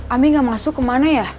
ami gak masuk kemana ya